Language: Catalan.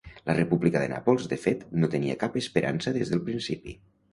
La República de Nàpols, de fet, no tenia cap esperança des del principi.